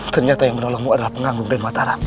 ternyata yang menolongmu adalah penganggung dan mataram